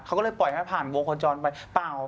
เขาก็เลยปล่อยให้ผ่านวงคนจรไปเปล่า